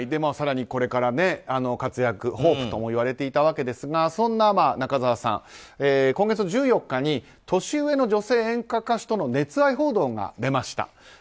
更にこれから活躍、ホープとも言われていたわけですがそんな中澤さん、今月１４日に年上の女性演歌歌手との熱愛報道が出ました。